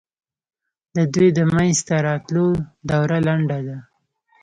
د دوی د منځته راتلو دوره لنډه ده.